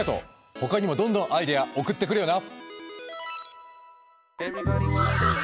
ほかにもどんどんアイデア送ってくれよな。